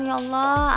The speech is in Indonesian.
ya allah amin